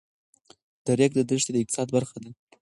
د ریګ دښتې د اقتصاد برخه ده.